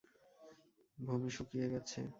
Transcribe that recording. ভূমি শুকিয়ে গেছে।